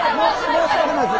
申し訳ないです。